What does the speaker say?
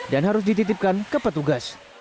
dan harus dititipkan ke petugas